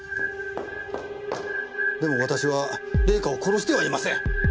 でも私は玲香を殺してはいません。